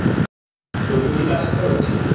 তো চুরি কার সাথে হচ্ছে?